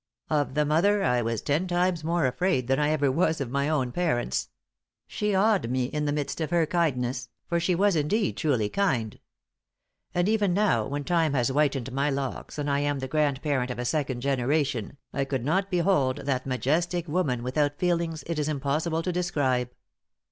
Of the mother I was ten times more afraid than I ever was of my own parents; she awed me in the midst of her kindness, for she was indeed truly kind. And even now, when time has whitened my locks, and I am the grandparent of a second generation, I could not behold that majestic woman without feelings it is impossible to describe.